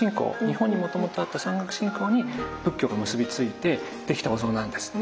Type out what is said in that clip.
日本にもともとあった山岳信仰に仏教が結び付いて出来たお像なんです。